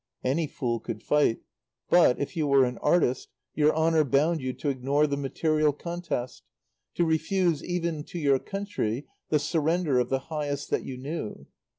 Any fool could fight; but, if you were an artist, your honour bound you to ignore the material contest, to refuse, even to your country, the surrender of the highest that you knew.